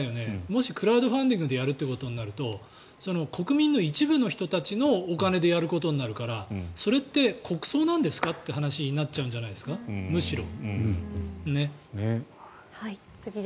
もしクラウドファンディングでやるってことになったら国民の一部の人たちのお金でやることになるからそれって国葬なんですかという話になっちゃうんじゃないですかむしろ。